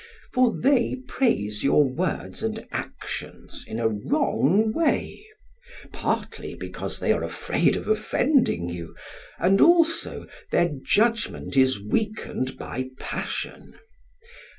For they praise your words and actions in a wrong way; partly, because they are afraid of offending you, and also, their judgment is weakened by passion.